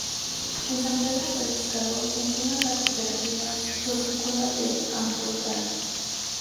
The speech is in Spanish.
En San Pedro Pescador funciona la Cooperativa Frutícola del Ampurdán.